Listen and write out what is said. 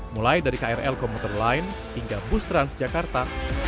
mulai dari krl komuter line hingga bus transjakarta